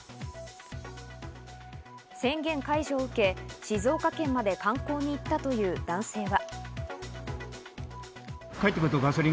宣言解除を受け、静岡県まで観光に行ったという男性は。